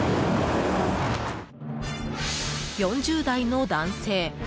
４０代の男性。